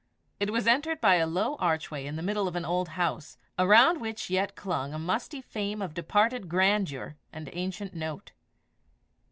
It was entered by a low archway in the middle of an old house, around which yet clung a musty fame of departed grandeur and ancient note.